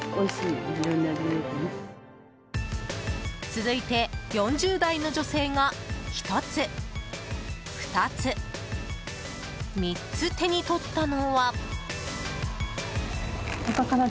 続いて、４０代の女性が３つ手に取ったのは。